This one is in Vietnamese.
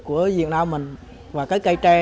của việt nam mình và cái cây tre